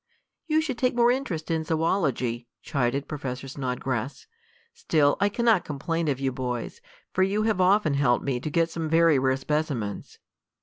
"You should take more interest in zoology," chided Professor Snodgrass. "Still I cannot complain of you boys, for you have often helped me to get some very rare specimens."